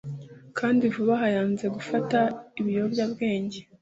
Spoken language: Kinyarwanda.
kandi vuba aha yanze gufata ibiyobyabwenge